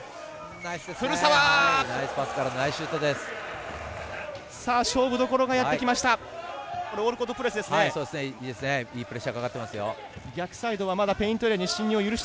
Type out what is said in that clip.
ナイスパスからのナイスシュートです。